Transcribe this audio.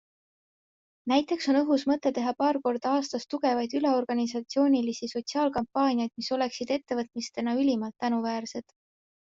Näiteks on õhus mõte teha paar korda aastas tugevaid üleorganisatsioonilisi sotsiaalkampaaniaid, mis oleksid ettevõtmistena ülimalt tänuväärsed.